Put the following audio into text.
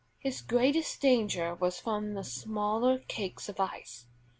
His greatest danger was from the smaller cakes of ice.